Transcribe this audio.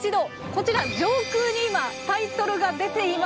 こちら上空に今タイトルが出ています。